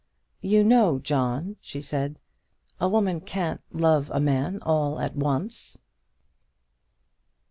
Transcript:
"You know, John," she said, "a woman can't love a man all at once."